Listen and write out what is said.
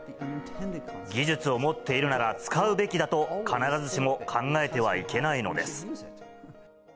技術を持っているなら、使うべきだと必ずしも考えてはいけないのです。